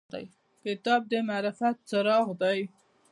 کتاب د معرفت څراغ دی.